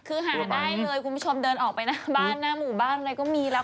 คือหาได้เลยคุณผู้ชมเดินออกไปหน้าบ้านหน้าหมู่บ้านอะไรก็มีแล้ว